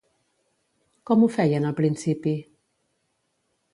Com ho feien al principi?